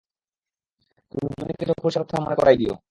তুমি জুনিকে চোখ পরিক্ষার কথা মনে করাই দিও।